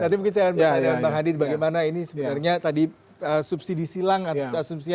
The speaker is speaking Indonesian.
nanti mungkin saya akan bahas dengan bang hadi bagaimana ini sebenarnya tadi subsidi silang atau asumsinya